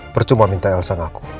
percuma minta elsa ngaku